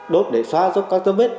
đốt để xóa dấu các dấu vết